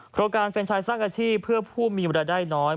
โครงการเฟรนชายสร้างอาชีพเพื่อผู้มีเวลาได้น้อย